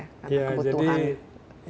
karena kebutuhan di dunia